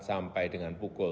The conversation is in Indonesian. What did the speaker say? sampai dengan pukul dua puluh